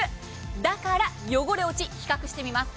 だから汚れ落ち比較してみます。